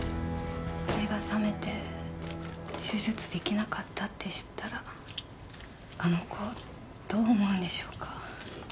目が覚めて手術できなかったって知ったらあの子どう思うんでしょうか。